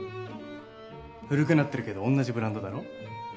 古くなってるけどおんなじブランドだろ？